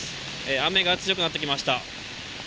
雨が強くなってきました。